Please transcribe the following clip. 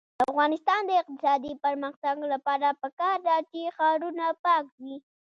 د افغانستان د اقتصادي پرمختګ لپاره پکار ده چې ښارونه پاک وي.